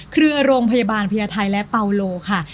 เครือโรงพยาบาลพญาไทยและเปาโลค่ะ